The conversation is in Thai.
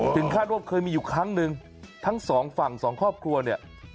คาดว่าเคยมีอยู่ครั้งหนึ่งทั้งสองฝั่งสองครอบครัวเนี่ย